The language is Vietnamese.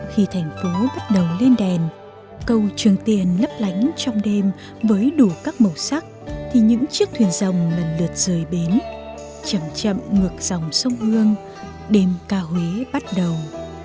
khi thành phố bắt đầu lên đèn câu trường tiền lấp lánh trong đêm với đủ các màu sắc thì những chiếc thuyền dòng lần lượt rời bến chậm chậm ngược dòng sông hương đêm ca huế bắt đầu